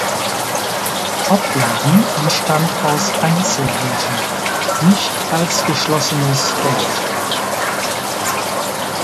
Opladen entstand aus Einzelhöfen, nicht als geschlossenes Dorf.